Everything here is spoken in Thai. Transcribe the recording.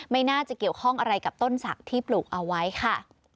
ไม่น่าจะเกี่ยวข้องอะไรกับต้นศักดิ์ที่ปลูกเอาไว้ค่ะ